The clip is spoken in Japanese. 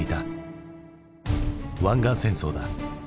湾岸戦争だ。